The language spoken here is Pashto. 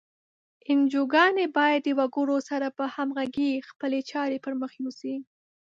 انجوګانې باید د وګړو سره په همغږۍ خپلې چارې پر مخ یوسي.